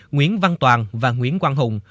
nguyễn văn toàn và nguyễn quang hùng